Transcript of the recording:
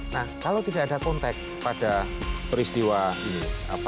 nah kalau tidak ada kontak pada peristiwa ini